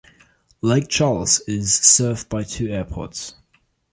Lake Charles is served by two airports.